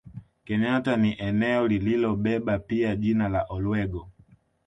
Kenyatta ni eneo lililobeba pia jina la Olwego